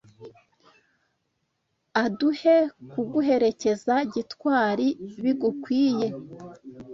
aduhe kuguherekeza gitwali bigukwiye